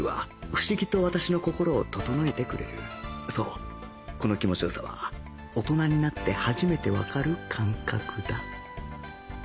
そうこの気持ち良さは大人になって初めてわかる感覚だ